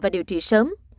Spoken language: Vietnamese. và điều trị sớm